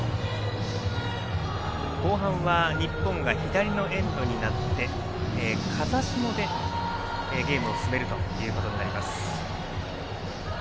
後半は日本が左のエンドになって風下でゲームを進めることになります。